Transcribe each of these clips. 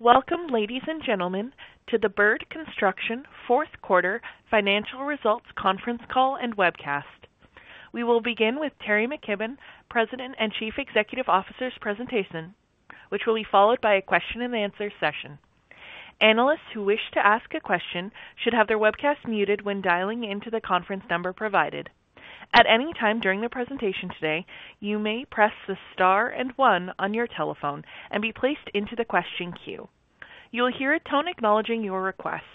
Welcome, ladies and gentlemen, to the Bird Construction fourth quarter financial results conference call and webcast. We will begin with Teri McKibbon, President and Chief Executive Officer's presentation, which will be followed by a question and answer session. Analysts who wish to ask a question should have their webcast muted when dialing into the conference number provided. At any time during the presentation today, you may press the star and one on your telephone and be placed into the question queue. You will hear a tone acknowledging your request.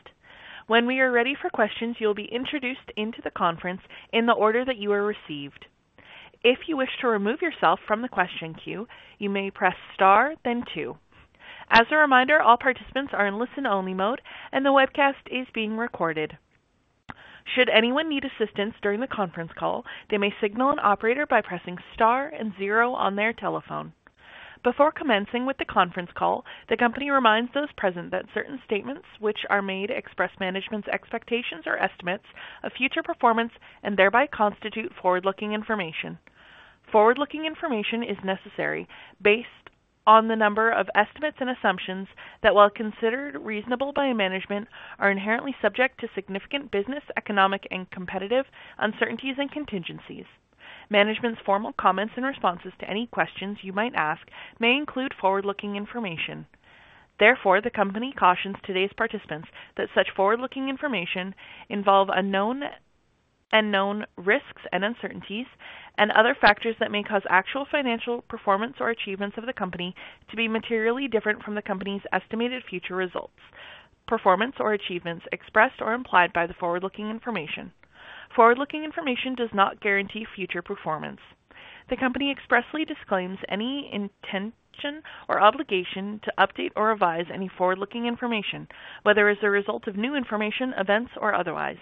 When we are ready for questions, you will be introduced into the conference in the order that you are received. If you wish to remove yourself from the question queue, you may press star, then two. As a reminder, all participants are in listen-only mode and the webcast is being recorded. Should anyone need assistance during the conference call, they may signal an operator by pressing star and zero on their telephone. Before commencing with the conference call, the company reminds those present that certain statements which are made express management's expectations or estimates of future performance and thereby constitute forward-looking information. Forward-looking information is necessary based on the number of estimates and assumptions that, while considered reasonable by management, are inherently subject to significant business, economic and competitive uncertainties and contingencies. Management's formal comments and responses to any questions you might ask may include forward-looking information. Therefore, the company cautions today's participants that such forward-looking information involve unknown risks and uncertainties and other factors that may cause actual financial performance or achievements of the company to be materially different from the company's estimated future results, performance or achievements expressed or implied by the forward-looking information. Forward-looking information does not guarantee future performance. The company expressly disclaims any intention or obligation to update or revise any forward-looking information, whether as a result of new information, events or otherwise.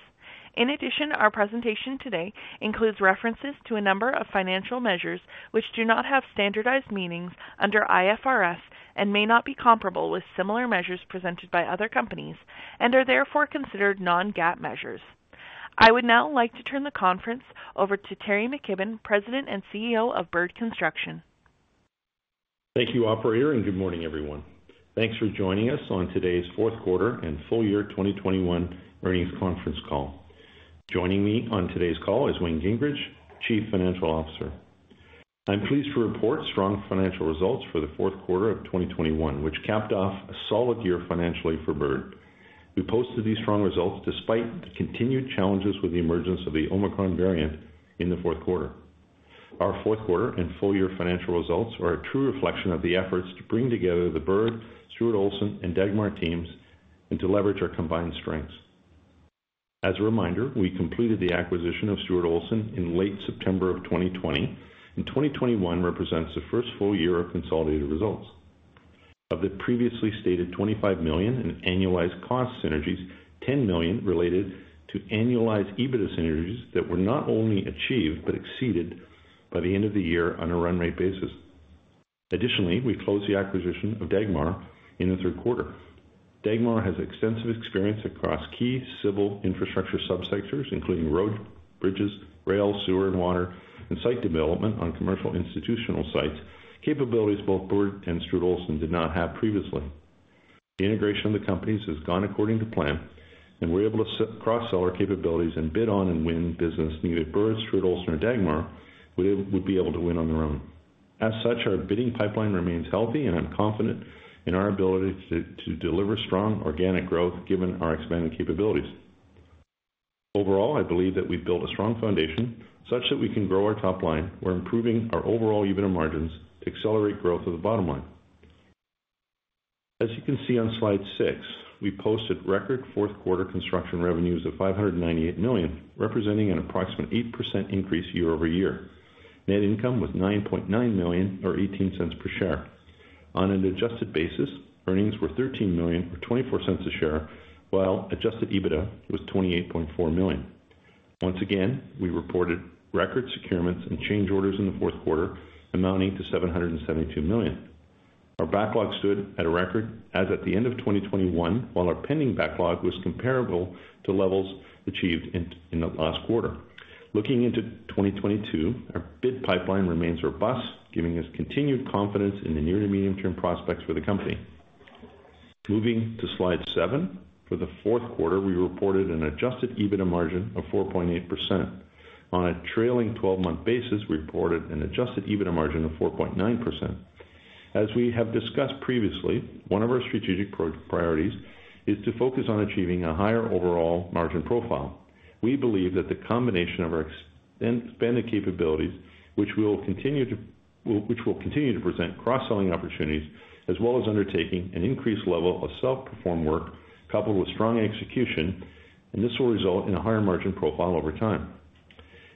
In addition, our presentation today includes references to a number of financial measures which do not have standardized meanings under IFRS and may not be comparable with similar measures presented by other companies and are therefore considered non-GAAP measures. I would now like to turn the conference over to Teri McKibbon, President and CEO of Bird Construction. Thank you, operator, and good morning, everyone. Thanks for joining us on today's fourth quarter and full year 2021 earnings conference call. Joining me on today's call is Wayne Gingrich, Chief Financial Officer. I'm pleased to report strong financial results for the fourth quarter of 2021, which capped off a solid year financially for Bird. We posted these strong results despite the continued challenges with the emergence of the Omicron variant in the fourth quarter. Our fourth quarter and full year financial results are a true reflection of the efforts to bring together the Bird, Stuart Olson, and Dagmar teams and to leverage our combined strengths. As a reminder, we completed the acquisition of Stuart Olson in late September of 2020, and 2021 represents the first full year of consolidated results. Of the previously stated 25 million in annualized cost synergies, 10 million related to annualized EBITDA synergies that were not only achieved but exceeded by the end of the year on a run rate basis. Additionally, we closed the acquisition of Dagmar in the third quarter. Dagmar has extensive experience across key civil infrastructure sub-sectors including road, bridges, rail, sewer and water, and site development on commercial institutional sites, capabilities both Bird and Stuart Olson did not have previously. The integration of the companies has gone according to plan, and we're able to cross-sell our capabilities and bid on and win business neither Bird, Stuart Olson, or Dagmar would be able to win on their own. As such, our bidding pipeline remains healthy and I'm confident in our ability to deliver strong organic growth given our expanded capabilities. Overall, I believe that we've built a strong foundation such that we can grow our top line. We're improving our overall EBITDA margins to accelerate growth of the bottom line. As you can see on slide six, we posted record fourth quarter construction revenues of 598 million, representing an approximate 8% increase year-over-year. Net income was 9.9 million or 0.18 per share. On an adjusted basis, earnings were 13 million or 0.24 per share, while Adjusted EBITDA was 28.4 million. Once again, we reported record securements and change orders in the fourth quarter amounting to 772 million. Our backlog stood at a record as at the end of 2021, while our pending backlog was comparable to levels achieved in the last quarter. Looking into 2022, our bid pipeline remains robust, giving us continued confidence in the near to medium-term prospects for the company. Moving to slide seven. For the fourth quarter, we reported an Adjusted EBITDA margin of 4.8%. On a trailing 12-month basis, we reported an Adjusted EBITDA margin of 4.9%. As we have discussed previously, one of our strategic priorities is to focus on achieving a higher overall margin profile. We believe that the combination of our expanded capabilities, which will continue to present cross-selling opportunities, as well as undertaking an increased level of self-performed work coupled with strong execution, and this will result in a higher margin profile over time.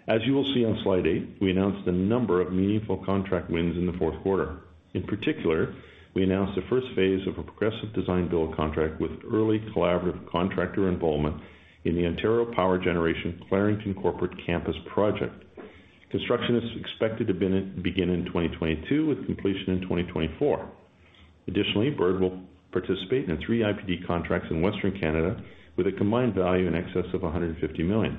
As you will see on slide eight, we announced a number of meaningful contract wins in the fourth quarter. In particular, we announced the first phase of a progressive design build contract with early collaborative contractor involvement in the Ontario Power Generation Clarington Corporate Campus project. Construction is expected to begin in 2022 with completion in 2024. Additionally, Bird will participate in three IPD contracts in Western Canada with a combined value in excess of 150 million.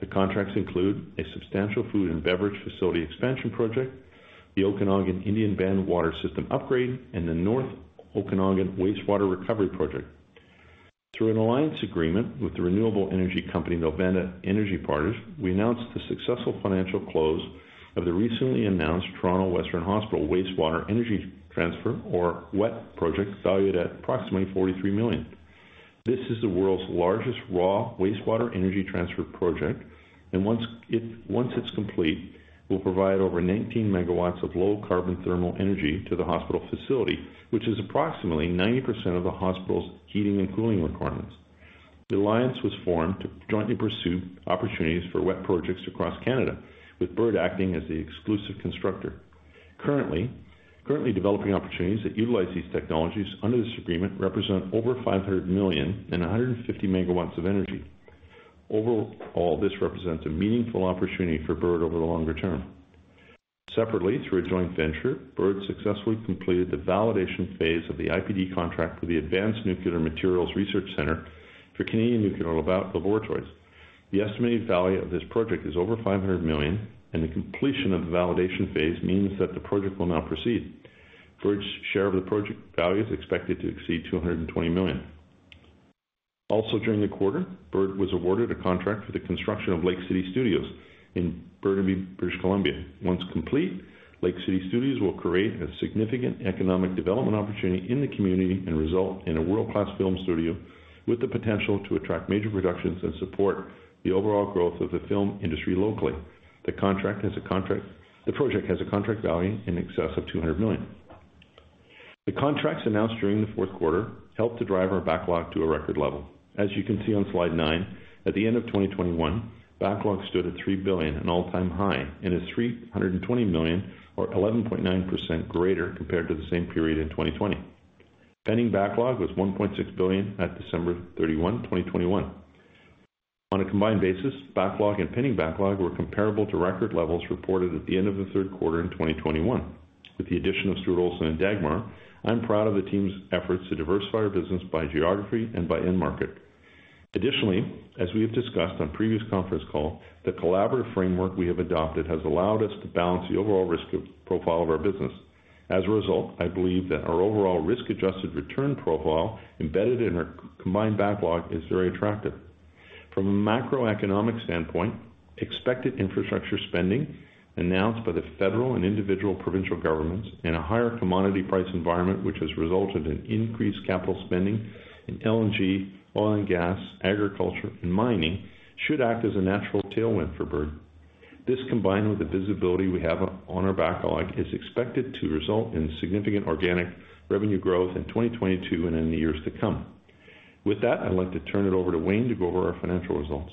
The contracts include a substantial food and beverage facility expansion project, the Okanagan Indian Band water system upgrade, and the North Okanagan wastewater recovery project. Through an alliance agreement with the renewable energy company, Noventa Energy Partners, we announced the successful financial close of the recently-announced Toronto Western Hospital Wastewater Energy Transfer, or WET project, valued at approximately 43 million. This is the world's largest raw wastewater energy transfer project, and once it's complete, will provide over 19 MW of low carbon thermal energy to the hospital facility, which is approximately 90% of the hospital's heating and cooling requirements. The alliance was formed to jointly pursue opportunities for WET projects across Canada, with Bird acting as the exclusive constructor. Currently developing opportunities that utilize these technologies under this agreement represent over 500 million and 150 MW of energy. Overall, this represents a meaningful opportunity for Bird over the longer term. Separately, through a joint venture, Bird successfully completed the validation phase of the IPD contract for the Advanced Nuclear Materials Research Center for Canadian Nuclear Laboratories. The estimated value of this project is over 500 million, and the completion of the validation phase means that the project will now proceed. Bird's share of the project value is expected to exceed 220 million. Also during the quarter, Bird was awarded a contract for the construction of Lake City Studios in Burnaby, British Columbia. Once complete, Lake City Studios will create a significant economic development opportunity in the community and result in a world-class film studio with the potential to attract major productions and support the overall growth of the film industry locally. The project has a contract value in excess of 200 million. The contracts announced during the fourth quarter helped to drive our backlog to a record level. As you can see on slide nine, at the end of 2021, backlog stood at 3 billion, an all-time high, and is 320 million or 11.9% greater compared to the same period in 2020. Pending backlog was 1.6 billion at December 31, 2021. On a combined basis, backlog and pending backlog were comparable to record levels reported at the end of the third quarter in 2021. With the addition of Stuart Olson and Dagmar, I'm proud of the team's efforts to diversify our business by geography and by end market. Additionally, as we have discussed on previous conference call, the collaborative framework we have adopted has allowed us to balance the overall risk profile of our business. As a result, I believe that our overall risk-adjusted return profile embedded in our combined backlog is very attractive. From a macroeconomic standpoint, expected infrastructure spending announced by the federal and individual provincial governments in a higher commodity price environment, which has resulted in increased capital spending in LNG, oil and gas, agriculture, and mining should act as a natural tailwind for Bird. This, combined with the visibility we have on our backlog, is expected to result in significant organic revenue growth in 2022 and in the years to come. With that, I'd like to turn it over to Wayne to go over our financial results.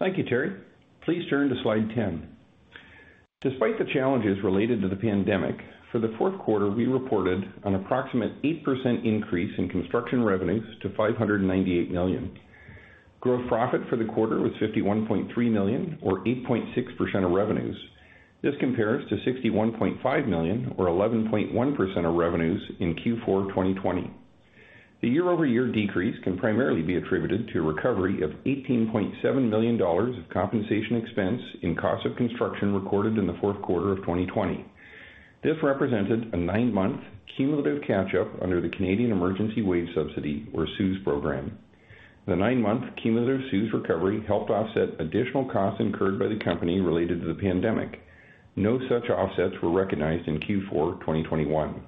Thank you, Teri. Please turn to slide 10. Despite the challenges related to the pandemic, for the fourth quarter, we reported an approximate 8% increase in construction revenues to 598 million. Gross profit for the quarter was 51.3 million or 8.6% of revenues. This compares to 61.5 million or 11.1% of revenues in Q4 2020. The year-over-year decrease can primarily be attributed to recovery of 18.7 million dollars of compensation expense in cost of construction recorded in the fourth quarter of 2020. This represented a nine-month cumulative catch up under the Canada Emergency Wage Subsidy, or CEWS program. The nine-month cumulative CEWS recovery helped offset additional costs incurred by the company related to the pandemic. No such offsets were recognized in Q4 2021.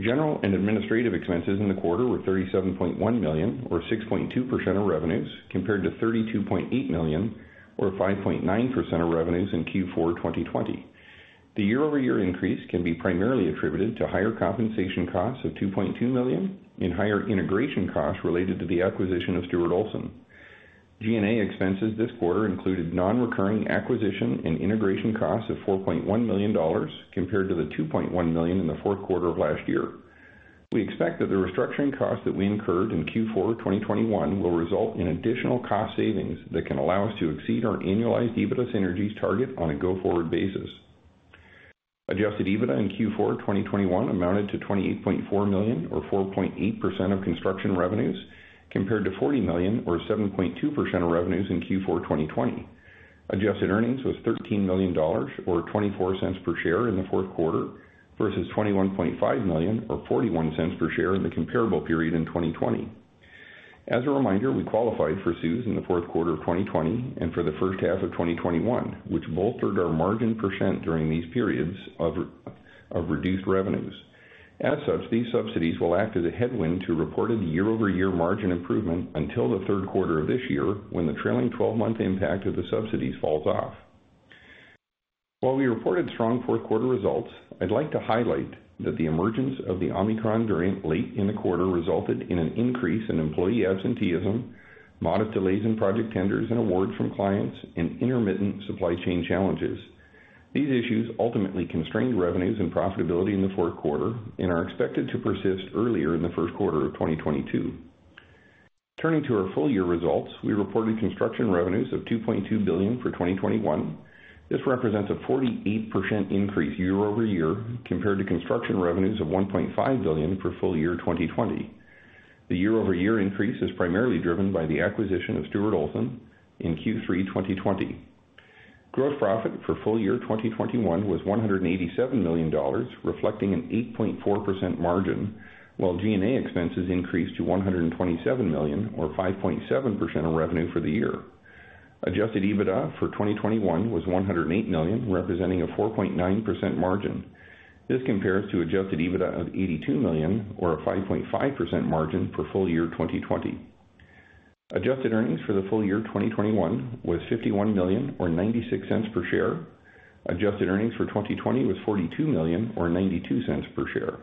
General and administrative expenses in the quarter were 37.1 million or 6.2% of revenues, compared to 32.8 million or 5.9% of revenues in Q4 2020. The year-over-year increase can be primarily attributed to higher compensation costs of 2.2 million and higher integration costs related to the acquisition of Stuart Olson. G&A expenses this quarter included non-recurring acquisition and integration costs of 4.1 million dollars compared to the 2.1 million in the fourth quarter of last year. We expect that the restructuring costs that we incurred in Q4 of 2021 will result in additional cost savings that can allow us to exceed our annualized EBITDA synergies target on a go-forward basis. Adjusted EBITDA in Q4 2021 amounted to 28.4 million or 4.8% of construction revenues, compared to 40 million or 7.2% of revenues in Q4 2020. Adjusted earnings was 13 million dollars or 0.24 per share in the fourth quarter versus 21.5 million or 0.41 per share in the comparable period in 2020. As a reminder, we qualified for CEWS in the fourth quarter of 2020 and for the first half of 2021, which bolstered our margin percent during these periods of reduced revenues. As such, these subsidies will act as a headwind to reported year-over-year margin improvement until the third quarter of this year, when the trailing 12-month impact of the subsidies falls off. While we reported strong fourth quarter results, I'd like to highlight that the emergence of the Omicron variant late in the quarter resulted in an increase in employee absenteeism, moderate delays in project tenders and awards from clients and intermittent supply chain challenges. These issues ultimately constrained revenues and profitability in the fourth quarter and are expected to persist earlier in the first quarter of 2022. Turning to our full year results, we reported construction revenues of 2.2 billion for 2021. This represents a 48% increase year-over-year compared to construction revenues of 1.5 billion for full year 2020. The year-over-year increase is primarily driven by the acquisition of Stuart Olson in Q3 2020. Gross profit for full year 2021 was 187 million dollars, reflecting an 8.4% margin, while G&A expenses increased to 127 million or 5.7% of revenue for the year. Adjusted EBITDA for 2021 was 108 million, representing a 4.9% margin. This compares to Adjusted EBITDA of 82 million or a 5.5% margin for full year 2020. Adjusted earnings for the full year 2021 was 51 million or 0.96 per share. Adjusted earnings for 2020 was 42 million or 0.92 per share.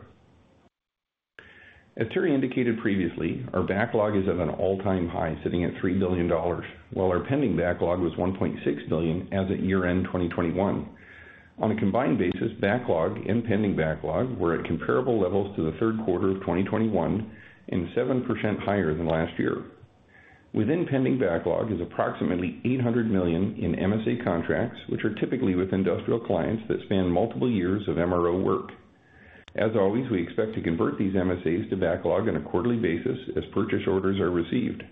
As Teri indicated previously, our backlog is at an all-time high, sitting at 3 billion dollars, while our pending backlog was 1.6 billion as of year-end 2021. On a combined basis, backlog and pending backlog were at comparable levels to the third quarter of 2021 and 7% higher than last year. Within pending backlog is approximately 800 million in MSA contracts, which are typically with industrial clients that span multiple years of MRO work. As always, we expect to convert these MSAs to backlog on a quarterly basis as purchase orders are received.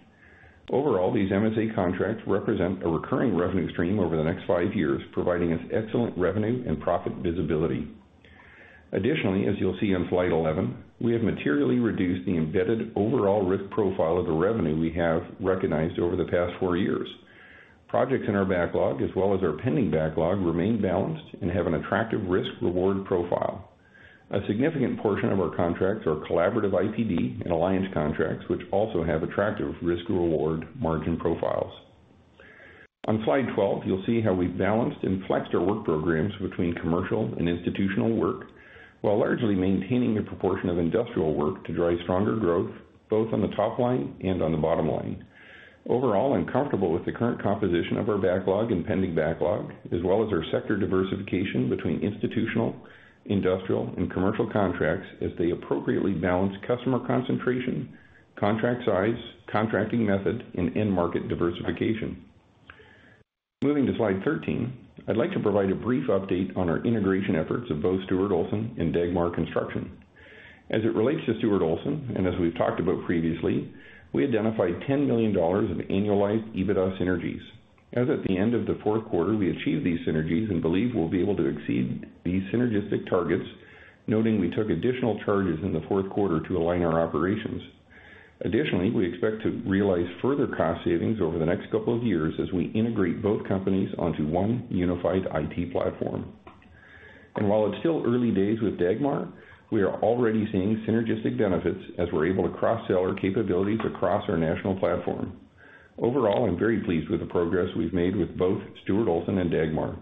Overall, these MSA contracts represent a recurring revenue stream over the next five years, providing us excellent revenue and profit visibility. Additionally, as you'll see on slide 11, we have materially reduced the embedded overall risk profile of the revenue we have recognized over the past four years. Projects in our backlog, as well as our pending backlog, remain balanced and have an attractive risk-reward profile. A significant portion of our contracts are collaborative IPD and alliance contracts, which also have attractive risk-reward margin profiles. On slide 12, you'll see how we've balanced and flexed our work programs between commercial and institutional work while largely maintaining a proportion of industrial work to drive stronger growth, both on the top line and on the bottom line. Overall, I'm comfortable with the current composition of our backlog and pending backlog, as well as our sector diversification between institutional, industrial, and commercial contracts as they appropriately balance customer concentration, contract size, contracting method, and end market diversification. Moving to slide 13, I'd like to provide a brief update on our integration efforts of both Stuart Olson and Dagmar Construction. As it relates to Stuart Olson, and as we've talked about previously, we identified 10 million dollars of annualized EBITDA synergies. As at the end of the fourth quarter, we achieved these synergies and believe we'll be able to exceed these synergistic targets, noting we took additional charges in the fourth quarter to align our operations. Additionally, we expect to realize further cost savings over the next couple of years as we integrate both companies onto one unified IT platform. While it's still early days with Dagmar, we are already seeing synergistic benefits as we're able to cross-sell our capabilities across our national platform. Overall, I'm very pleased with the progress we've made with both Stuart Olson and Dagmar.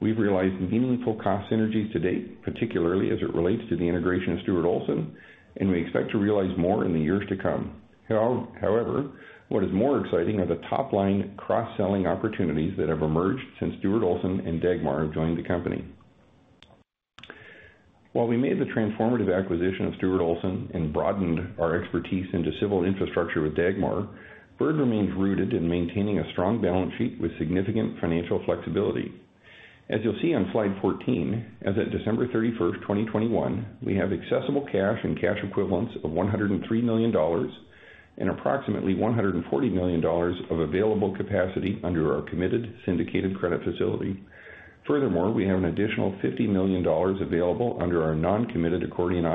We've realized meaningful cost synergies to date, particularly as it relates to the integration of Stuart Olson, and we expect to realize more in the years to come. However, what is more exciting are the top-line cross-selling opportunities that have emerged since Stuart Olson and Dagmar have joined the company. While we made the transformative acquisition of Stuart Olson and broadened our expertise into civil infrastructure with Dagmar, Bird remains rooted in maintaining a strong balance sheet with significant financial flexibility. As you'll see on slide 14, as at December 31st, 2021, we have accessible cash and cash equivalents of 103 million dollars and approximately 140 million dollars of available capacity under our committed syndicated credit facility. Furthermore, we have an additional 50 million dollars available under our non-committed accordion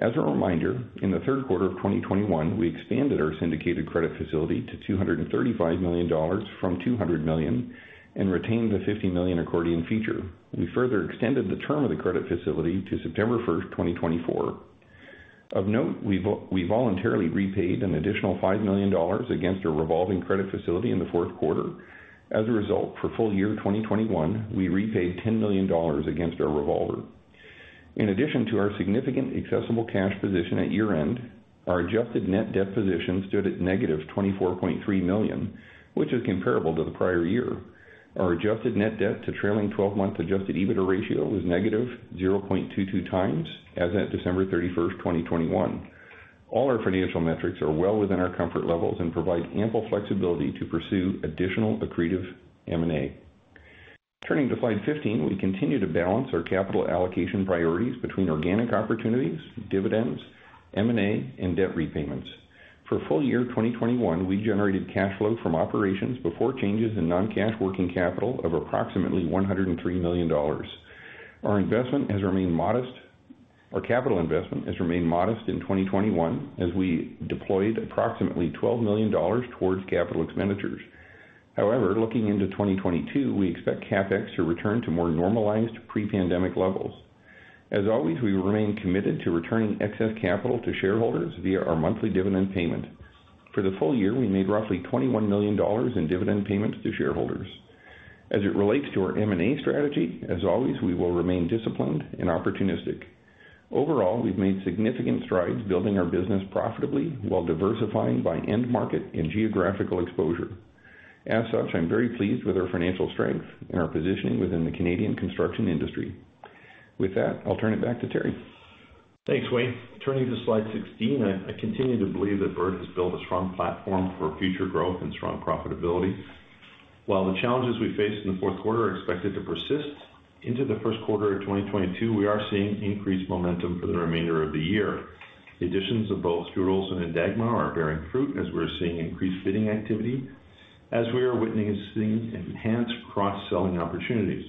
option. As a reminder, in the third quarter of 2021, we expanded our syndicated credit facility to 235 million dollars from 200 million and retained the 50 million accordion feature. We further extended the term of the credit facility to September 1st, 2024. Of note, we voluntarily repaid an additional 5 million dollars against our revolving credit facility in the fourth quarter. As a result, for full year 2021, we repaid 10 million dollars against our revolver. In addition to our significant accessible cash position at year-end, our adjusted net debt position stood at -24.3 million, which is comparable to the prior year. Our adjusted net debt to trailing 12-month Adjusted EBITDA ratio was -0.22x as at December 31st, 2021. All our financial metrics are well within our comfort levels and provide ample flexibility to pursue additional accretive M&A. Turning to slide 15, we continue to balance our capital allocation priorities between organic opportunities, dividends, M&A, and debt repayments. For full year 2021, we generated cash flow from operations before changes in non-cash working capital of approximately 103 million dollars. Our capital investment has remained modest in 2021 as we deployed approximately 12 million dollars towards capital expenditures. However, looking into 2022, we expect CapEx to return to more normalized pre-pandemic levels. As always, we remain committed to returning excess capital to shareholders via our monthly dividend payment. For the full year, we made roughly 21 million dollars in dividend payments to shareholders. As it relates to our M&A strategy, as always, we will remain disciplined and opportunistic. Overall, we've made significant strides building our business profitably while diversifying by end market and geographical exposure. As such, I'm very pleased with our financial strength and our positioning within the Canadian construction industry. With that, I'll turn it back to Teri. Thanks, Wayne. Turning to slide 16, I continue to believe that Bird has built a strong platform for future growth and strong profitability. While the challenges we faced in the fourth quarter are expected to persist into the first quarter of 2022, we are seeing increased momentum for the remainder of the year. Additions of both Stuart Olson and Dagmar are bearing fruit as we're seeing increased bidding activity as we are witnessing enhanced cross-selling opportunities.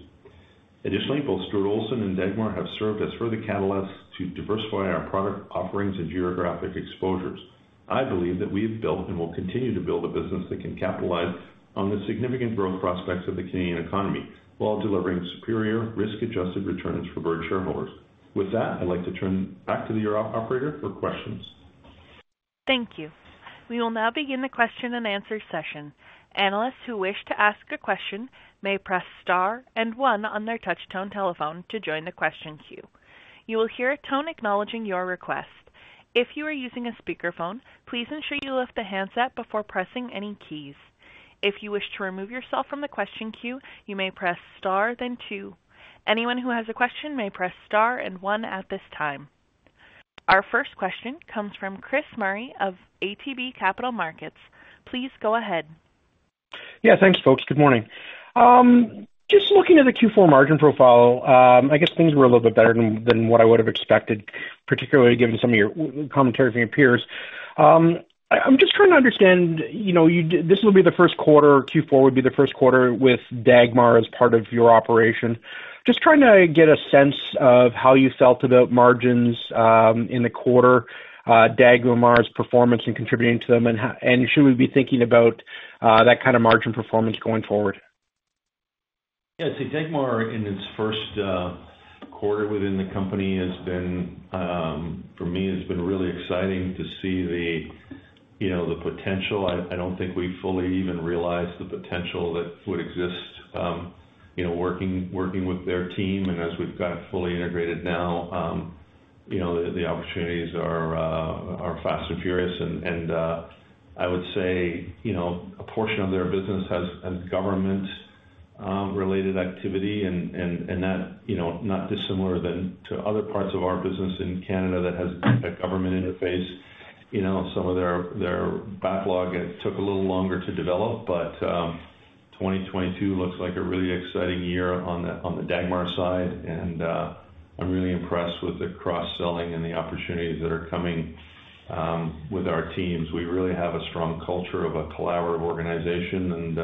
Additionally, both Stuart Olson and Dagmar have served as further catalysts to diversify our product offerings and geographic exposures. I believe that we have built and will continue to build a business that can capitalize on the significant growth prospects of the Canadian economy while delivering superior risk-adjusted returns for Bird shareholders. With that, I'd like to turn back to the operator for questions. Thank you. We will now begin the question-and-answer session. Analysts who wish to ask a question may press star and one on their touch-tone telephone to join the question queue. You will hear a tone acknowledging your request. If you are using a speakerphone, please ensure you lift the handset before pressing any keys. If you wish to remove yourself from the question queue, you may press star then two. Anyone who has a question may press star and one at this time. Our first question comes from Chris Murray of ATB Capital Markets. Please go ahead. Yeah, thanks, folks. Good morning. Just looking at the Q4 margin profile, I guess things were a little bit better than what I would have expected, particularly given some of your commentary from your peers. I'm just trying to understand, you know, this will be the first quarter, Q4 would be the first quarter with Dagmar as part of your operation. Just trying to get a sense of how you felt about margins in the quarter, Dagmar's performance in contributing to them, and should we be thinking about that kind of margin performance going forward? Yeah. See, Dagmar in its first quarter within the company has been for me really exciting to see the, you know, the potential. I don't think we fully even realize the potential that would exist, you know, working with their team. As we've got it fully integrated now, you know, the opportunities are fast and furious. I would say, you know, a portion of their business has a government-related activity and that, you know, not dissimilar to other parts of our business in Canada that has that government interface. You know, some of their backlog took a little longer to develop, but 2022 looks like a really exciting year on the Dagmar side. I'm really impressed with the cross-selling and the opportunities that are coming with our teams. We really have a strong culture of a collaborative organization, and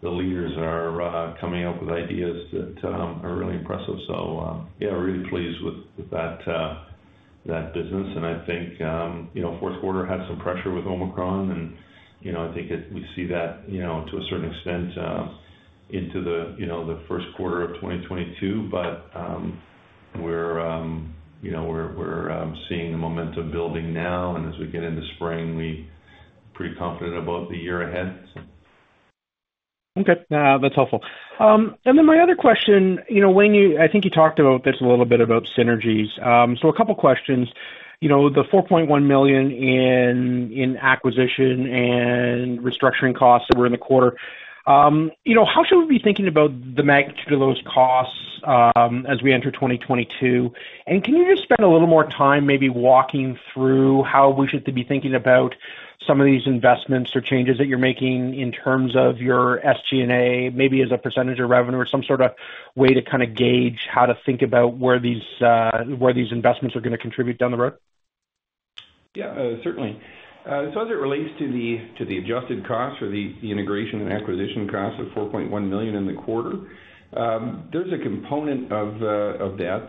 the leaders are coming up with ideas that are really impressive. Yeah, we're really pleased with that business. I think you know, fourth quarter had some pressure with Omicron and, you know, I think we see that, you know, to a certain extent into the first quarter of 2022. We're seeing the momentum building now, and as we get into spring, we're pretty confident about the year ahead. Okay. That's helpful. And then my other question, you know, I think you talked about this a little bit about synergies. A couple questions. You know, the 4.1 million in acquisition and restructuring costs that were in the quarter, you know, how should we be thinking about the magnitude of those costs, as we enter 2022? Can you just spend a little more time maybe walking through how we should be thinking about some of these investments or changes that you're making in terms of your SG&A, maybe as a percentage of revenue or some sort of way to kind of gauge how to think about where these investments are gonna contribute down the road? Certainly, as it relates to the adjusted costs or the integration and acquisition costs of 4.1 million in the quarter, there's a component of that,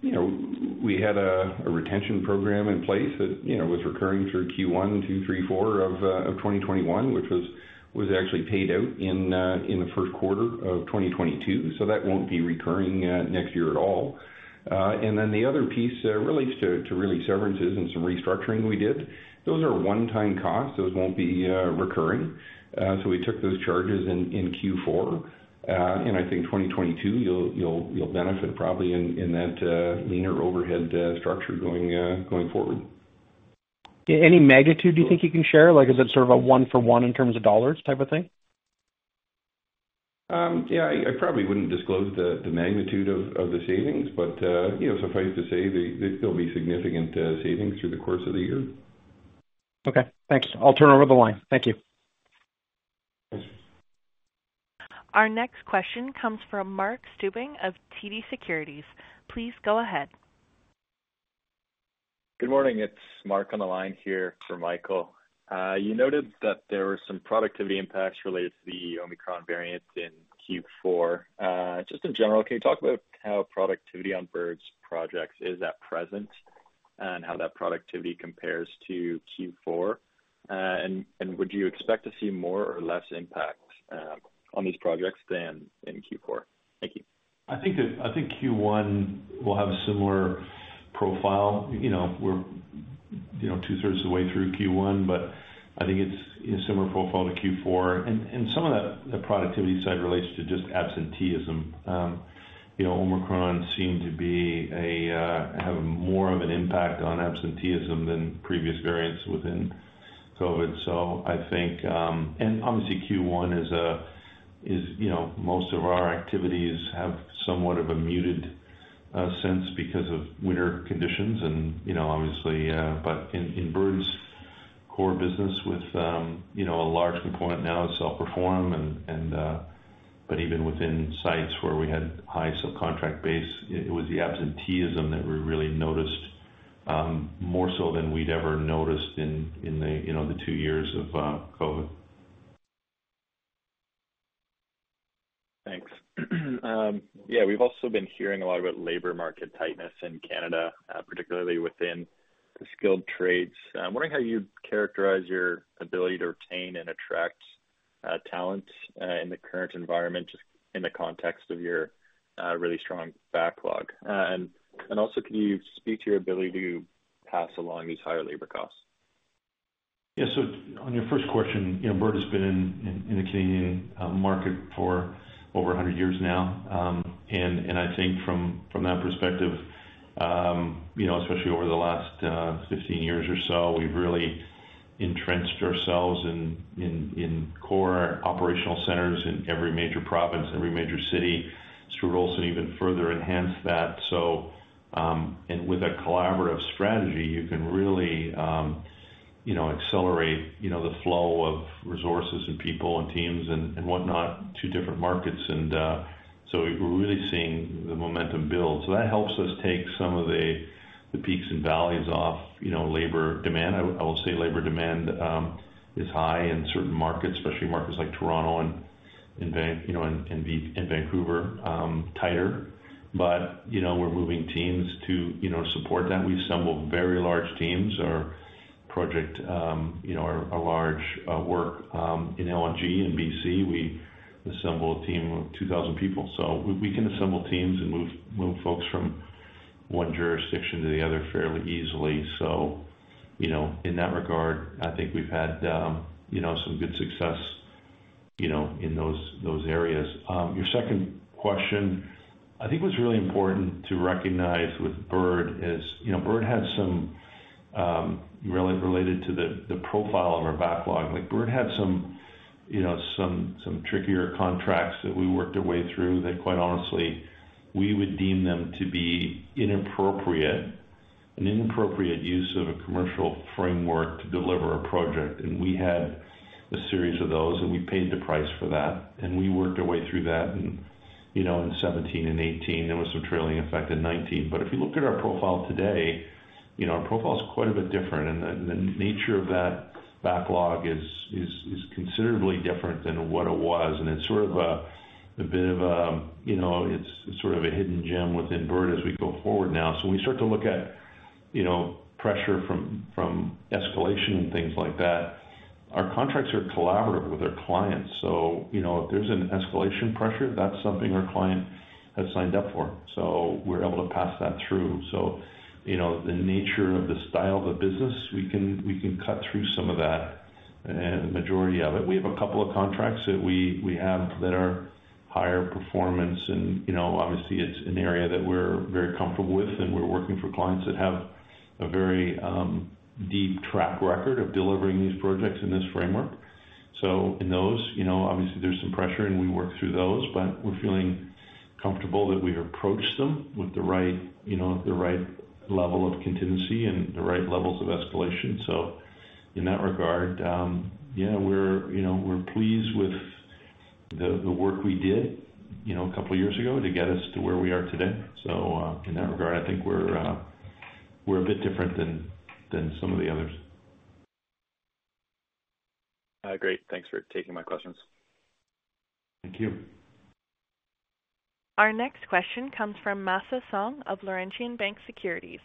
you know, we had a retention program in place that, you know, was recurring through Q1, Q2, Q3, Q4 of 2021, which was actually paid out in the first quarter of 2022. That won't be recurring next year at all. The other piece relates to really severances and some restructuring we did. Those are one-time costs, those won't be recurring. We took those charges in Q4. I think 2022, you'll benefit probably in that leaner overhead structure going forward. Any magnitude do you think you can share? Like, is it sort of a one for one in terms of dollars type of thing? Yeah. I probably wouldn't disclose the magnitude of the savings. You know, suffice to say there'll be significant savings through the course of the year. Okay. Thanks. I'll turn over the line. Thank you. Thanks. Our next question comes from Mark Stuebing of TD Securities. Please go ahead. Good morning. It's Mark on the line here for Michael. You noted that there were some productivity impacts related to the Omicron variant in Q4. Just in general, can you talk about how productivity on Bird's projects is at present and how that productivity compares to Q4? Would you expect to see more or less impact on these projects than in Q4? Thank you. I think Q1 will have a similar profile. You know, we're 2/3 of the way through Q1, but I think it's a similar profile to Q4. Some of that, the productivity side relates to just absenteeism. You know, Omicron seemed to have more of an impact on absenteeism than previous variants within COVID. I think obviously Q1 is, you know, most of our activities have somewhat of a muted sense because of winter conditions. You know, obviously, but in Bird's core business with, you know, a large component now is self-perform. But even within sites where we had high subcontract base, it was the absenteeism that we really noticed more so than we'd ever noticed in the two years of COVID. Thanks. Yeah, we've also been hearing a lot about labor market tightness in Canada, particularly within the skilled trades. I'm wondering how you'd characterize your ability to retain and attract talent in the current environment, just in the context of your really strong backlog. Can you speak to your ability to pass along these higher labor costs? Yeah. On your first question, you know, Bird has been in the Canadian market for over 100 years now. I think from that perspective, you know, especially over the last 15 years or so, we've really entrenched ourselves in core operational centers in every major province, every major city. Stuart Olson even further enhanced that. With a collaborative strategy, you can really, you know, accelerate, you know, the flow of resources and people and teams and whatnot to different markets. We're really seeing the momentum build. That helps us take some of the peaks and valleys off, you know, labor demand. I will say labor demand is high in certain markets, especially markets like Toronto and Vancouver, you know, tighter. You know, we're moving teams to, you know, support that. We've assembled very large teams. Our project, you know, our large work in LNG in BC, we assembled a team of 2,000 people. We can assemble teams and move folks from one jurisdiction to the other fairly easily. You know, in that regard, I think we've had, you know, some good success, you know, in those areas. Your second question, I think what's really important to recognize with Bird is, you know, Bird had some related to the profile of our backlog. Like, Bird had some, you know, trickier contracts that we worked our way through that, quite honestly, we would deem them to be inappropriate use of a commercial framework to deliver a project. We had a series of those, and we paid the price for that, and we worked our way through that. You know, in 2017 and 2018, there was some trailing effect in 2019. If you look at our profile today, you know, our profile is quite a bit different. The nature of that backlog is considerably different than what it was. It's sort of a bit of a, you know, hidden gem within Bird as we go forward now. When we start to look at, you know, pressure from escalation and things like that, our contracts are collaborative with our clients. You know, if there's an escalation pressure, that's something our client has signed up for. We're able to pass that through. You know, the nature of the style of the business, we can cut through some of that, majority of it. We have a couple of contracts that we have that are higher performance and, you know, obviously it's an area that we're very comfortable with, and we're working for clients that have a very deep track record of delivering these projects in this framework. In those, you know, obviously there's some pressure and we work through those, but we're feeling comfortable that we approach them with the right, you know, the right level of contingency and the right levels of escalation. In that regard, yeah, we're, you know, we're pleased with the work we did, you know, a couple of years ago to get us to where we are today. In that regard, I think we're a bit different than some of the others. Great. Thanks for taking my questions. Thank you. Our next question comes from Maxim Sytchev of Laurentian Bank Securities.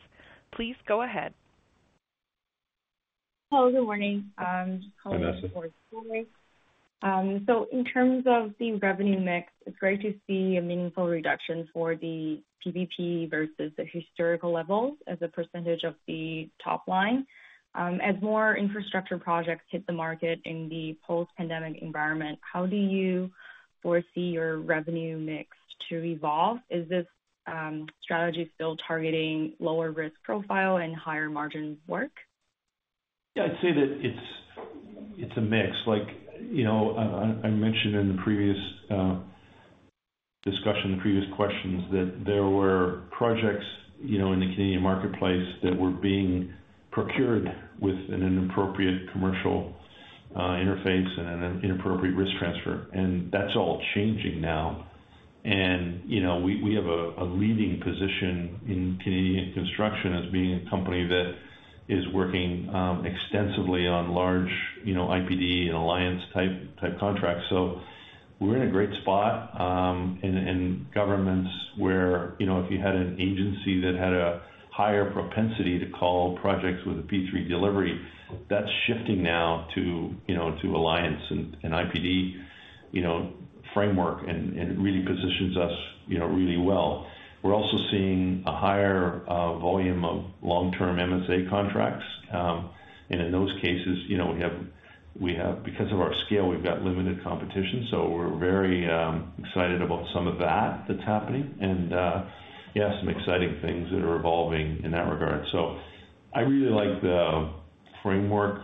Please go ahead. Hello, good morning. In terms of the revenue mix, it's great to see a meaningful reduction for the P3 versus the historical levels as a percentage of the top line. As more infrastructure projects hit the market in the post-pandemic environment, how do you foresee your revenue mix to evolve? Is this strategy still targeting lower risk profile and higher margin work? Yeah, I'd say that it's a mix. Like, you know, I mentioned in the previous discussion, the previous questions, that there were projects, you know, in the Canadian marketplace that were being procured with an inappropriate commercial interface and an inappropriate risk transfer. That's all changing now. You know, we have a leading position in Canadian construction as being a company that is working extensively on large, you know, IPD and alliance type contracts. We're in a great spot in governments where, you know, if you had an agency that had a higher propensity to call projects with a P3 delivery, that's shifting now to, you know, to alliance and IPD framework, and it really positions us, you know, really well. We're also seeing a higher volume of long-term MSA contracts. In those cases, you know, because of our scale, we've got limited competition, so we're very excited about some of that that's happening. Yeah, some exciting things that are evolving in that regard. I really like the framework.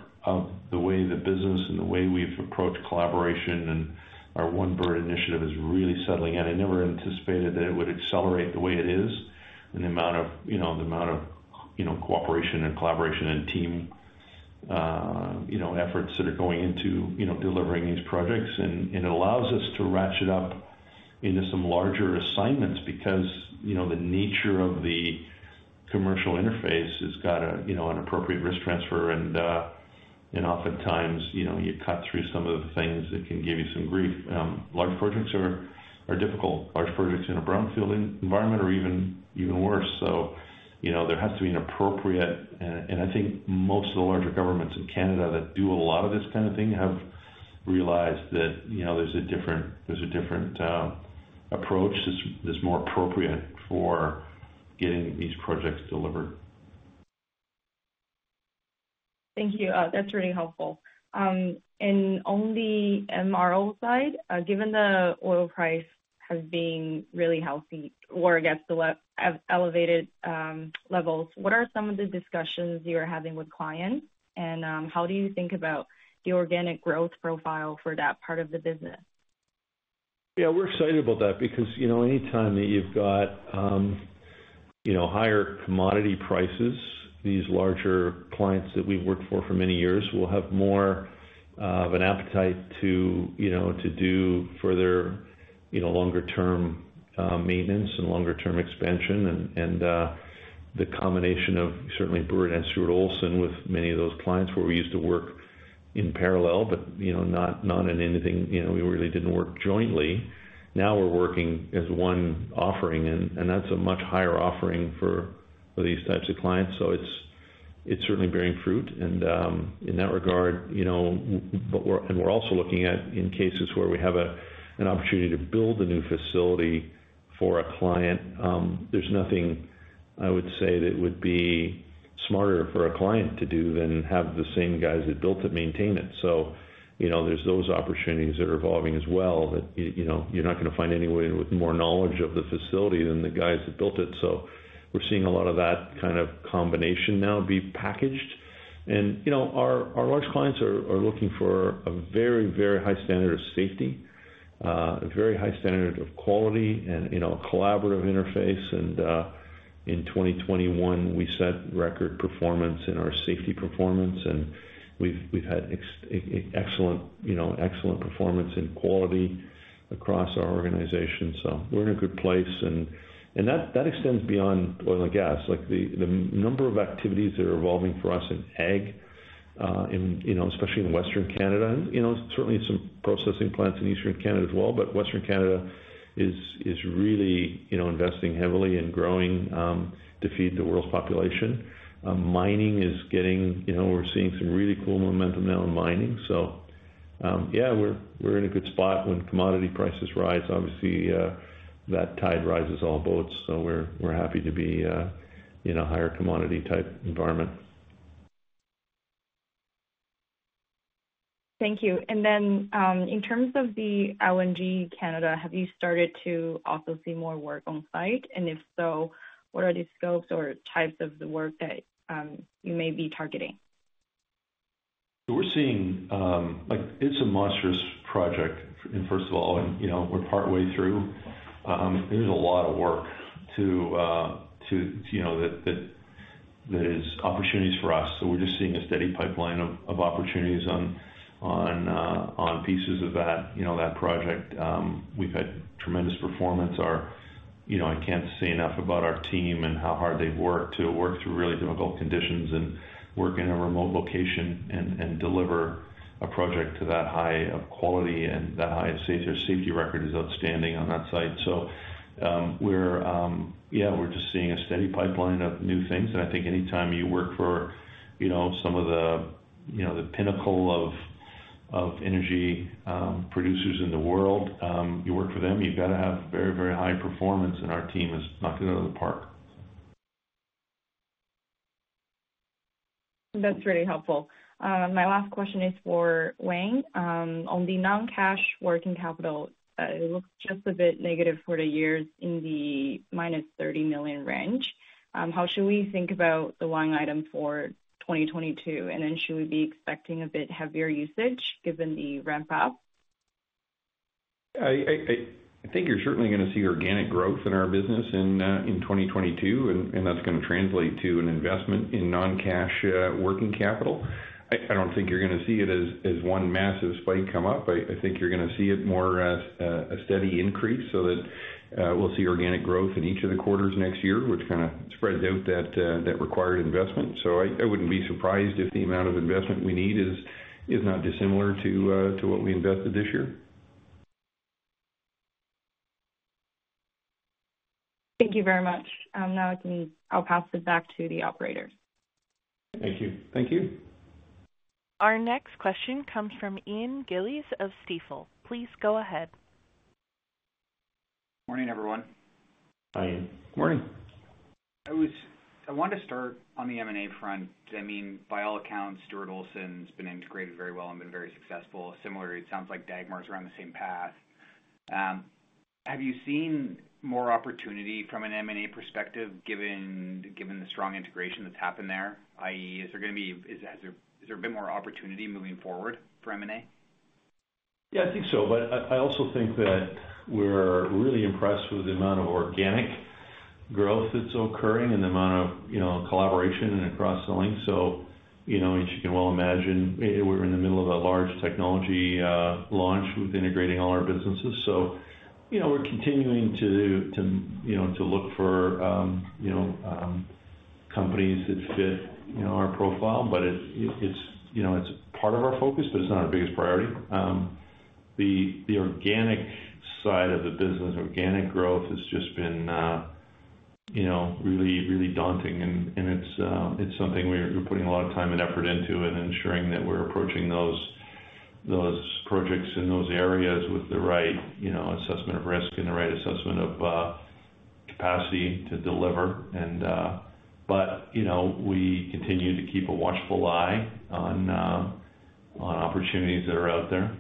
The business and the way we've approached collaboration and our One Bird initiative is really settling in. I never anticipated that it would accelerate the way it is and the amount of cooperation and collaboration and team efforts that are going into delivering these projects. It allows us to ratchet up into some larger assignments because, you know, the nature of the commercial interface has got an appropriate risk transfer and oftentimes, you know, you cut through some of the things that can give you some grief. Large projects are difficult. Large projects in a brownfield environment are even worse. There has to be an appropriate, and I think most of the larger governments in Canada that do a lot of this kind of thing have realized that, you know, there's a different approach that's more appropriate for getting these projects delivered. Thank you. That's really helpful. On the MRO side, given the oil price has been really healthy or I guess elevated levels, what are some of the discussions you are having with clients and how do you think about the organic growth profile for that part of the business? Yeah, we're excited about that because, you know, anytime that you've got, you know, higher commodity prices, these larger clients that we've worked for many years will have more of an appetite to, you know, to do further, you know, longer term maintenance and longer term expansion and the combination of certainly Bird and Stuart Olson with many of those clients where we used to work in parallel but, you know, not in anything, you know, we really didn't work jointly. Now we're working as one offering and that's a much higher offering for these types of clients. It's certainly bearing fruit. In that regard, you know, we're also looking at in cases where we have an opportunity to build a new facility for a client. There's nothing I would say that would be smarter for a client to do than have the same guys that built it maintain it. You know, there's those opportunities that are evolving as well, that you know, you're not gonna find anybody with more knowledge of the facility than the guys that built it. We're seeing a lot of that kind of combination now be packaged. You know, our large clients are looking for a very, very high standard of safety, a very high standard of quality and, you know, a collaborative interface. In 2021 we set record performance in our safety performance. We've had excellent, you know, excellent performance in quality across our organization. We're in a good place. That extends beyond oil and gas. Like the number of activities that are evolving for us in ag, you know, especially in Western Canada, and you know, certainly some processing plants in Eastern Canada as well. Western Canada is really, you know, investing heavily in growing to feed the world's population. You know, we're seeing some really cool momentum now in mining. Yeah, we're in a good spot when commodity prices rise. Obviously, that tide rises all boats, so we're happy to be in a higher commodity type environment. Thank you. In terms of the LNG Canada, have you started to also see more work on site? And if so, what are the scopes or types of the work that you may be targeting? We're seeing. Like it's a monstrous project first of all, and you know, we're partway through. It is a lot of work, you know, that is opportunities for us. We're just seeing a steady pipeline of opportunities on pieces of that, you know, that project. We've had tremendous performance. You know, I can't say enough about our team and how hard they've worked to work through really difficult conditions and work in a remote location and deliver a project to that high of quality and that high of safety. Our safety record is outstanding on that site. Yeah, we're just seeing a steady pipeline of new things. I think anytime you work for, you know, some of the, you know, the pinnacle of energy producers in the world, you work for them, you've got to have very, very high performance and our team is knocking it out of the park. That's really helpful. My last question is for Wayne. On the non-cash working capital, it looks just a bit negative for the years in the -30 million range. How should we think about the line item for 2022? Should we be expecting a bit heavier usage given the ramp up? I think you're certainly gonna see organic growth in our business in 2022 and that's gonna translate to an investment in non-cash working capital. I don't think you're gonna see it as one massive spike come up. I think you're gonna see it more as a steady increase so that we'll see organic growth in each of the quarters next year, which kind of spreads out that required investment. I wouldn't be surprised if the amount of investment we need is not dissimilar to what we invested this year. Thank you very much. I'll pass it back to the operator. Thank you. Thank you. Our next question comes from Ian Gillies of Stifel. Please go ahead. Morning, everyone. Hi, Ian. Morning. I wanted to start on the M&A front. I mean, by all accounts, Stuart Olson's been integrated very well and been very successful. Similarly, it sounds like Dagmar is on the same path. Have you seen more opportunity from an M&A perspective given the strong integration that's happened there? I.e., is there a bit more opportunity moving forward for M&A? Yeah, I think so, but I also think that we're really impressed with the amount of organic growth that's occurring and the amount of, you know, collaboration across the link. You know, as you can well imagine, we're in the middle of a large technology launch with integrating all our businesses. You know, we're continuing to you know to look for, you know, companies that fit you know our profile, but it's you know it's part of our focus, but it's not our biggest priority. The organic side of the business, organic growth has just been you know really daunting. It's something we're putting a lot of time and effort into and ensuring that we're approaching those projects in those areas with the right, you know, assessment of risk and the right assessment of capacity to deliver. You know, we continue to keep a watchful eye on opportunities that are out there.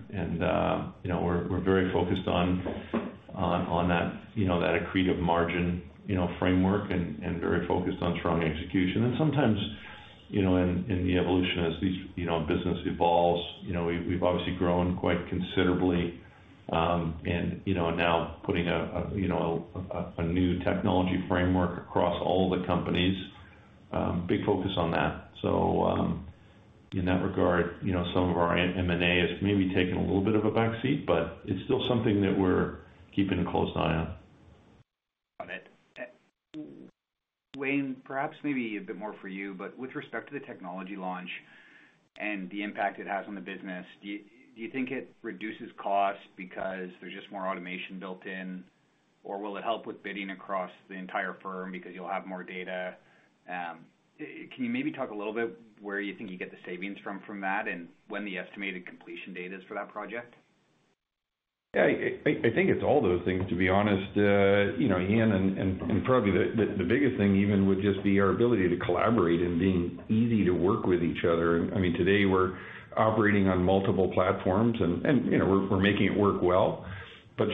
You know, we're very focused on that, you know, that accretive margin, you know, framework and very focused on strong execution. Sometimes, you know, in the evolution as these, you know, business evolves, you know, we've obviously grown quite considerably, and, you know, now putting a new technology framework across all the companies, big focus on that. In that regard, you know, some of our M&A has maybe taken a little bit of a back seat, but it's still something that we're keeping a close eye on. Got it. Wayne, perhaps maybe a bit more for you, but with respect to the technology launch and the impact it has on the business, do you think it reduces costs because there's just more automation built in? Or will it help with bidding across the entire firm because you'll have more data? Can you maybe talk a little bit where you think you get the savings from that, and when the estimated completion date is for that project? Yeah, I think it's all those things, to be honest, you know, Ian. And probably the biggest thing even would just be our ability to collaborate and being easy to work with each other. I mean, today we're operating on multiple platforms and, you know, we're making it work well.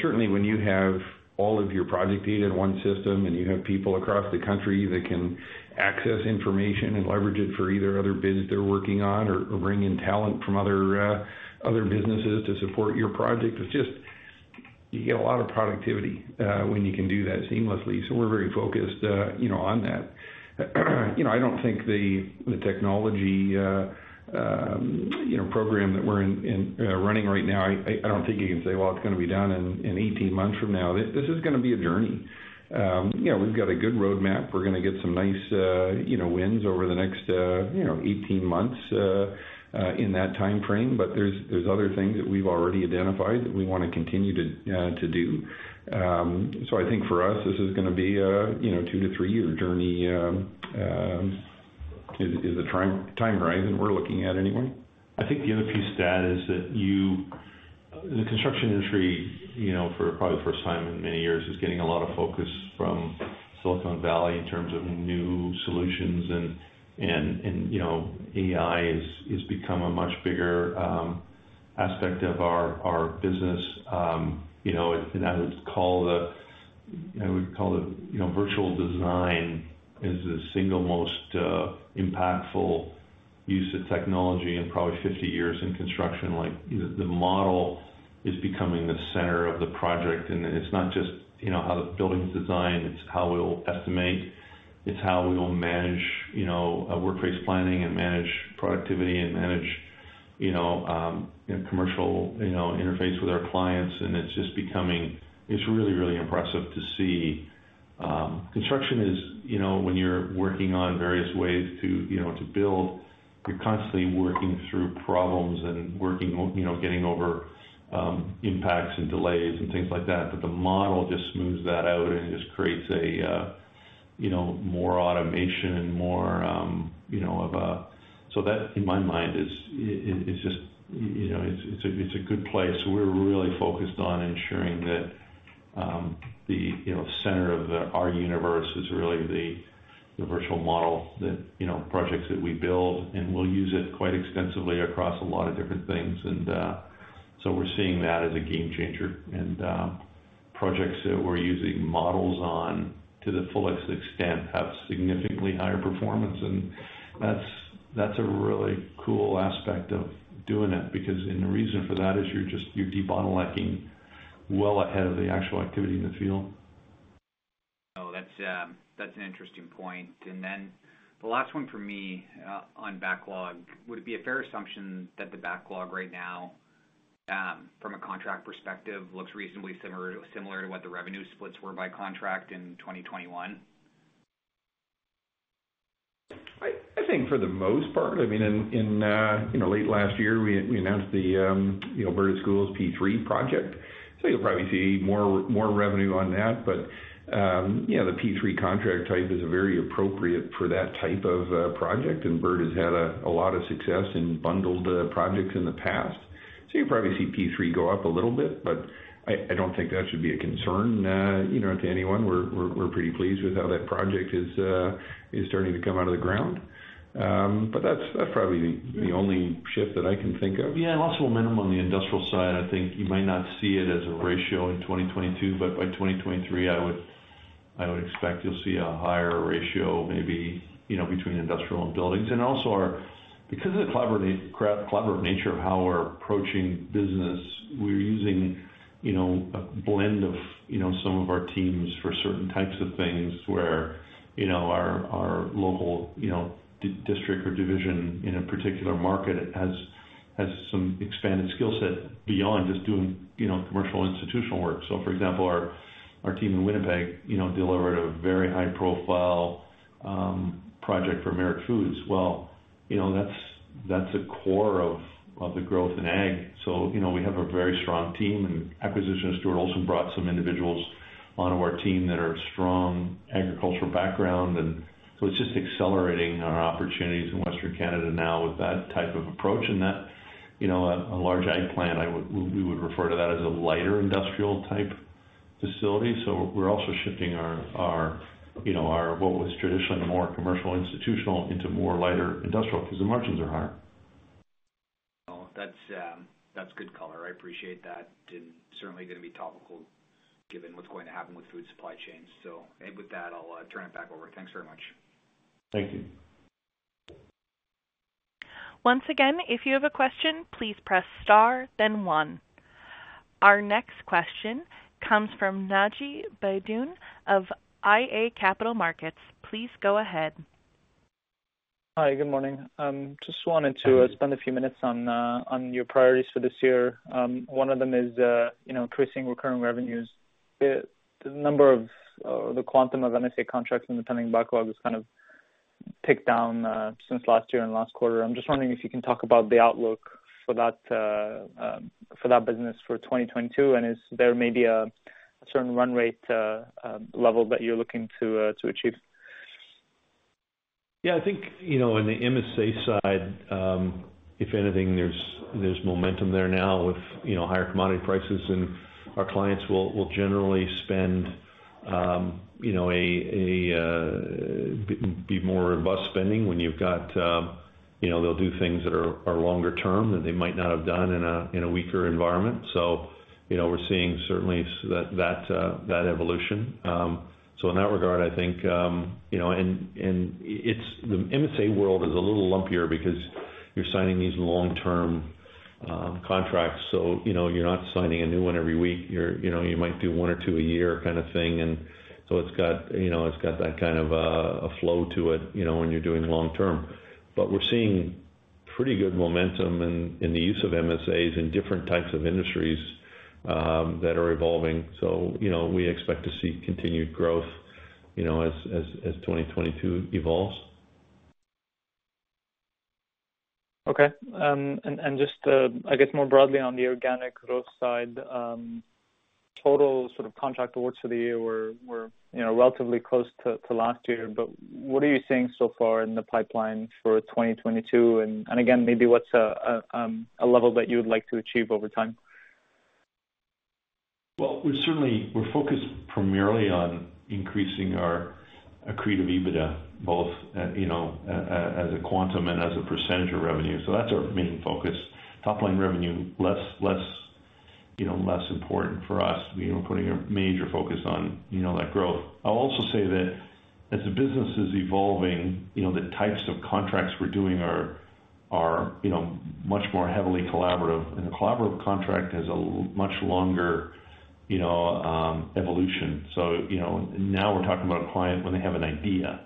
Certainly, when you have all of your project data in one system and you have people across the country that can access information and leverage it for either other bids they're working on or bring in talent from other businesses to support your project, it's just you get a lot of productivity when you can do that seamlessly. We're very focused, you know, on that. You know, I don't think the technology program that we're running right now. I don't think you can say, "Well, it's gonna be done in 18 months from now." This is gonna be a journey. You know, we've got a good roadmap. We're gonna get some nice, you know, wins over the next, you know, 18 months in that timeframe, but there's other things that we've already identified that we wanna continue to do. So I think for us, this is gonna be a, you know, two to three-year journey. Is the time horizon we're looking at anyway. I think the other piece to add is that you... The construction industry, you know, for probably the first time in many years, is getting a lot of focus from Silicon Valley in terms of new solutions and, you know, AI has become a much bigger aspect of our business. You know, I would call it, you know, virtual design is the single most impactful use of technology in probably 50 years in construction. Like, the model is becoming the center of the project, and it's not just, you know, how the building's designed, it's how we'll estimate. It's how we will manage, you know, workplace planning and manage productivity and manage, you know, commercial interface with our clients. It's just becoming really impressive to see. Construction is, you know, when you're working on various ways to, you know, to build, you're constantly working through problems and getting over impacts and delays and things like that. The model just smooths that out and just creates a, you know, more automation and more, you know, of a... That, in my mind, is just, you know, it's a good place. We're really focused on ensuring that, you know, the center of our universe is really the virtual model that, you know, projects that we build, and we'll use it quite extensively across a lot of different things. We're seeing that as a game changer. Projects that we're using models on to the fullest extent have significantly higher performance. That's a really cool aspect of doing it because the reason for that is you're just debottlenecking well ahead of the actual activity in the field. Oh, that's an interesting point. The last one for me, o n backlog, would it be a fair assumption that the backlog right now, from a contract perspective, looks reasonably similar to what the revenue splits were by contract in 2021? I think for the most part. I mean, in you know, late last year, we announced the Bird Schools P3 project. You'll probably see more revenue on that. You know, the P3 contract type is very appropriate for that type of project, and Bird has had a lot of success in bundled projects in the past. You probably see P3 go up a little bit, but I don't think that should be a concern you know, to anyone. We're pretty pleased with how that project is starting to come out of the ground. That's probably the only shift that I can think of. Yeah, and also at minimum on the industrial side. I think you might not see it as a ratio in 2022, but by 2023, I would expect you'll see a higher ratio maybe, you know, between industrial and buildings. Because of the collaborative nature of how we're approaching business, we're using a blend of some of our teams for certain types of things where our local district or division in a particular market has some expanded skill set beyond just doing commercial institutional work. For example, our team in Winnipeg delivered a very high-profile project for Merit Functional Foods. That's a core of the growth in ag. you know, we have a very strong team, and the acquisition of Stuart Olson also brought some individuals onto our team that have a strong agricultural background. It's just accelerating our opportunities in Western Canada now with that type of approach. That, you know, a large ag plant, we would refer to that as a light industrial type facility. We're also shifting our you know our what was traditionally more commercial and institutional into more light industrial because the margins are higher. Well, that's good color. I appreciate that. Certainly gonna be topical given what's going to happen with food supply chains. Maybe with that, I'll turn it back over. Thanks very much. Thank you. Once again, if you have a question, please press star then one. Our next question comes from Naji Baydoun of iA Capital Markets. Please go ahead. Hi, good morning. Just wanted to spend a few minutes on your priorities for this year. One of them is, you know, increasing recurring revenues. The quantum of MSA contracts in the pending backlog has kind of ticked down since last year and last quarter. I'm just wondering if you can talk about the outlook for that for that business for 2022, and is there maybe a certain run rate level that you're looking to achieve? I think, you know, in the MSA side, if anything, there's momentum there now with, you know, higher commodity prices, and our clients will generally spend, you know, a bit more robustly when you've got. You know, they'll do things that are longer term that they might not have done in a weaker environment. You know, we're seeing certainly that evolution. In that regard, I think, you know, and it's the MSA world is a little lumpier because you're signing these long-term contracts. You know, you're not signing a new one every week. You know, you might do one or two a year kind of thing. It's got that kind of a flow to it, you know, when you're doing long term. But we're seeing pretty good momentum in the use of MSAs in different types of industries that are evolving. You know, we expect to see continued growth, you know, as 2022 evolves. Okay. Just, I guess more broadly on the organic growth side, total sort of contract awards for the year were, you know, relatively close to last year. What are you seeing so far in the pipeline for 2022? Again, maybe what's a level that you would like to achieve over time? Well, we're focused primarily on increasing our accretive EBITDA, both at, you know, as a quantum and as a percentage of revenue. That's our main focus. Top line revenue, less, you know, less important for us. We are putting a major focus on, you know, that growth. I'll also say that as the business is evolving, you know, the types of contracts we're doing are, you know, much more heavily collaborative, and a collaborative contract has much longer, you know, evolution. You know, now we're talking about a client when they have an idea,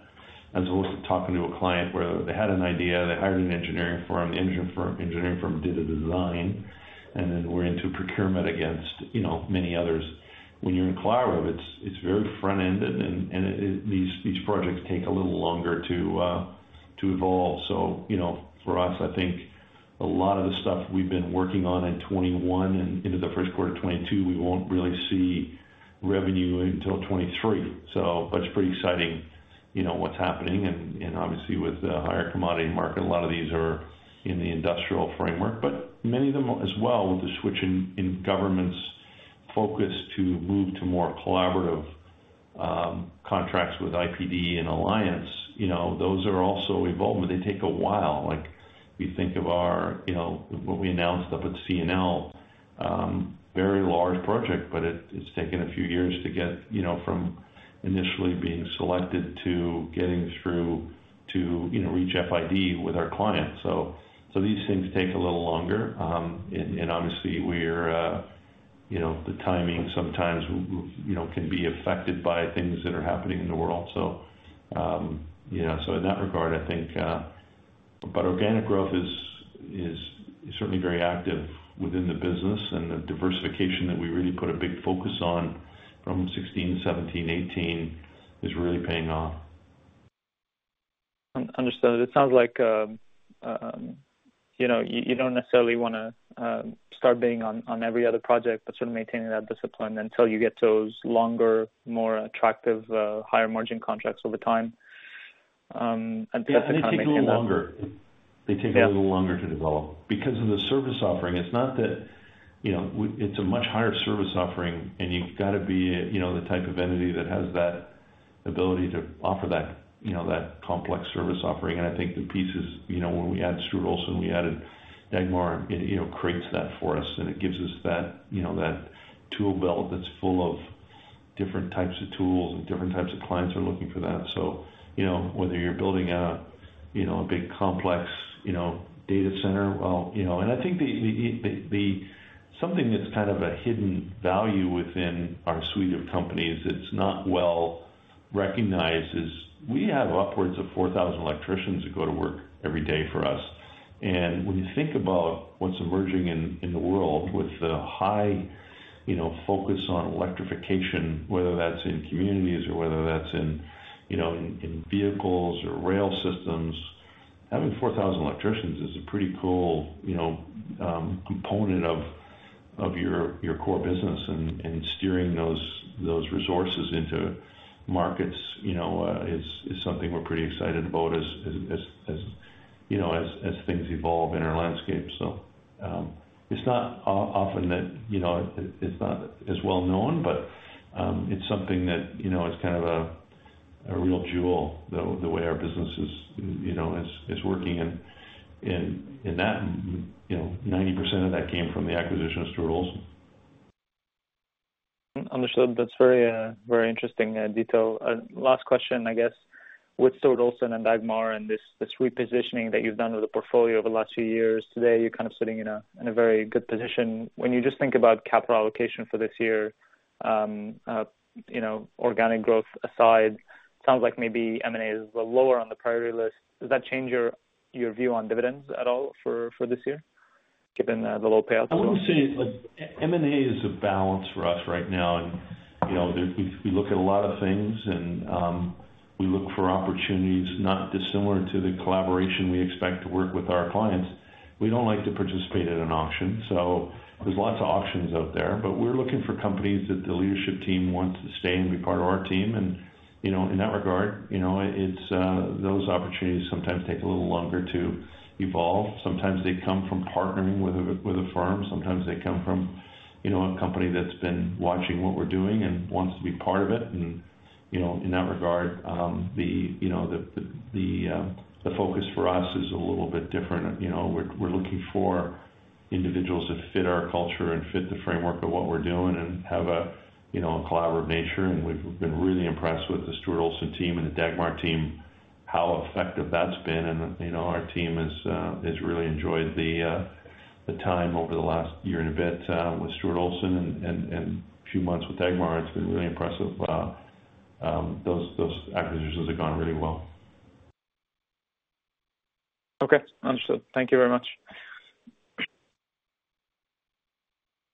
as opposed to talking to a client where they had an idea, they hired an engineering firm, engineering firm did a design, and then we're into procurement against, you know, many others. When you're in collaborative, it's very front-ended, and it. These projects take a little longer to evolve. You know, for us, I think a lot of the stuff we've been working on in 2021 and into the first quarter of 2022, we won't really see revenue until 2023. It's pretty exciting, you know, what's happening and obviously with the higher commodity market, a lot of these are in the industrial framework. But many of them as well with the switch in government's focus to move to more collaborative contracts with IPD and Alliance, you know, those are also evolving, but they take a while. Like, if you think of our, you know, what we announced up at CNL, very large project. But it's taken a few years to get, you know, from initially being selected to getting through to, you know, reach FID with our clients. These things take a little longer. Obviously we're you know the timing sometimes you know can be affected by things that are happening in the world. In that regard, I think organic growth is certainly very active within the business and the diversification that we really put a big focus on from 2016 to 2017, 2018 is really paying off. Understood. It sounds like, you know, you don't necessarily wanna start bidding on every other project, but sort of maintaining that discipline until you get those longer, more attractive, higher margin contracts over time. I think that's kinda making that- Yeah. They take a little longer. Yeah. They take a little longer to develop because of the service offering. It's not that, you know, it's a much higher service offering, and you've gotta be a, you know, the type of entity that has that ability to offer that, you know, that complex service offering. I think the pieces, you know, when we added Stuart Olson, we added Dagmar, it, you know, creates that for us, and it gives us that, you know, that tool belt that's full of different types of tools, and different types of clients are looking for that. You know, whether you're building out, you know, a big complex, you know, data center, well, you know. I think the something that's kind of a hidden value within our suite of companies that's not well-recognized is we have upwards of 4,000 electricians that go to work every day for us. When you think about what's emerging in the world with the high, you know, focus on electrification, whether that's in communities or whether that's in, you know, in vehicles or rail systems, having 4,000 electricians is a pretty cool, you know, component of your core business. Steering those resources into markets, you know, is something we're pretty excited about as, you know, as things evolve in our landscape. It's not often that, you know... It's not as well-known, but it's something that, you know, is kind of a real jewel, the way our business is, you know, working in that. You know, 90% of that came from the acquisition of Stuart Olson. Understood. That's very, very interesting, detail. Last question, I guess. With Stuart Olson and Dagmar and this repositioning that you've done with the portfolio over the last few years, today you're kind of sitting in a very good position. When you just think about capital allocation for this year, you know, organic growth aside, sounds like maybe M&A is lower on the priority list. Does that change your view on dividends at all for this year, given the low payout ratio? I wouldn't say. Like, M&A is a balance for us right now. You know, there we look at a lot of things and we look for opportunities not dissimilar to the collaboration we expect to work with our clients. We don't like to participate in an auction, so there's lots of auctions out there. We're looking for companies that the leadership team wants to stay and be part of our team. You know, in that regard, you know, it's those opportunities sometimes take a little longer to evolve. Sometimes they come from partnering with a firm. Sometimes they come from, you know, a company that's been watching what we're doing and wants to be part of it. You know, in that regard, you know, the focus for us is a little bit different. You know, we're looking for individuals that fit our culture and fit the framework of what we're doing and have a you know, a collaborative nature. We've been really impressed with the Stuart Olson team and the Dagmar team, how effective that's been. You know, our team has really enjoyed the time over the last year and a bit with Stuart Olson and a few months with Dagmar. It's been really impressive. Those acquisitions have gone really well. Okay, understood. Thank you very much.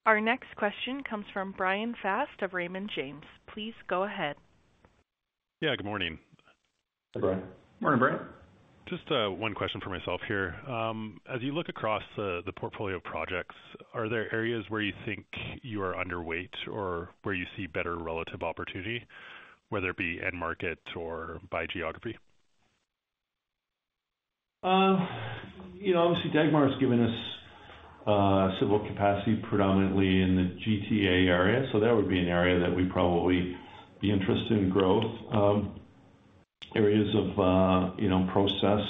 Our next question comes from Frederic Bastien of Raymond James. Please go ahead. Yeah, good morning. Hey, Brian. Morning, Frederic Bastien. Just, one question from myself here. As you look across the portfolio of projects, are there areas where you think you are underweight or where you see better relative opportunity, whether it be end market or by geography? You know, obviously Dagmar has given us civil capacity predominantly in the GTA area. That would be an area that we'd probably be interested in growth. Areas of process,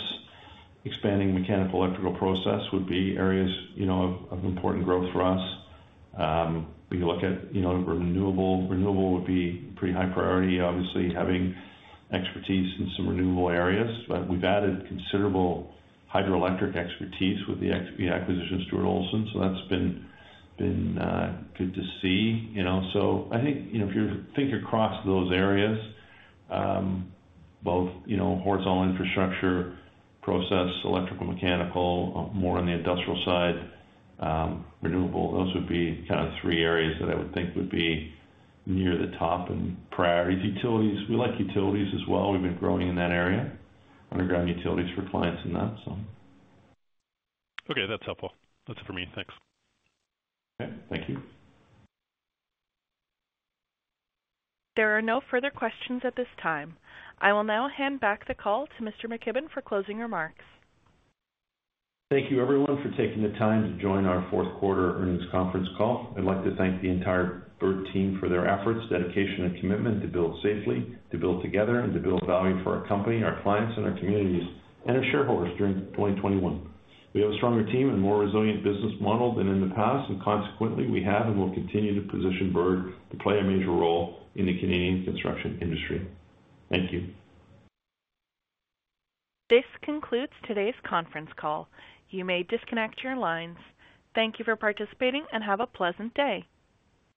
expanding mechanical electrical process, would be areas, you know, of important growth for us. We could look at, you know, renewable. Renewable would be pretty high priority, obviously, having expertise in some renewable areas. We've added considerable hydroelectric expertise with the acquisition of Stuart Olson. That's been good to see, you know. I think, you know, if you think across those areas, both, you know, horizontal infrastructure, process, electrical, mechanical, more on the industrial side, renewable, those would be kind of three areas that I would think would be near the top in priorities. Utilities, we like utilities as well. We've been growing in that area, underground utilities for clients in that, so. Okay, that's helpful. That's it for me. Thanks. Okay. Thank you. There are no further questions at this time. I will now hand back the call to Mr. McKibbon for closing remarks. Thank you everyone for taking the time to join our fourth quarter earnings conference call. I'd like to thank the entire Bird team for their efforts, dedication, and commitment to build safely, to build together, and to build value for our company, our clients, and our communities, and our shareholders during 2021. We have a stronger team and more resilient business model than in the past, and consequently, we have and will continue to position Bird to play a major role in the Canadian construction industry. Thank you. This concludes today's conference call. You may disconnect your lines. Thank you for participating and have a pleasant day.